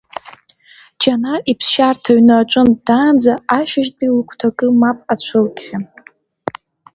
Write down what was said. Џьанар иԥсшьарҭа ҩны аҿынтә даанӡа, ашьыжьтәи лыгәҭакы мап ацәылкхьан.